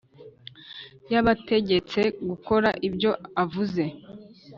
yabategetse gukora ibyo avuze